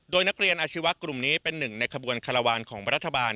โดยนักเรียนอาชีวะกลุ่มนี้เป็นหนึ่งในขบวนคาราวานของรัฐบาล